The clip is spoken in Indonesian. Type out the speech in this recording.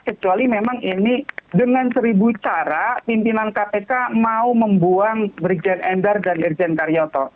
kecuali memang ini dengan seribu cara pimpinan kpk mau membuang brigjen endar dan irjen karyoto